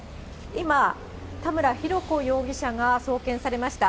今、田村浩子容疑者が送検されました。